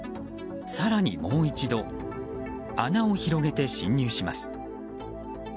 更に、もう一度穴を広げて侵入します。